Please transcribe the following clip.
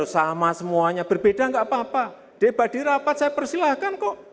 saya udah delrekin